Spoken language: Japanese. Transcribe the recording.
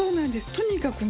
とにかくね